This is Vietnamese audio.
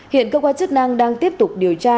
hiện cơ quan chức năng đang tiếp tục điều tra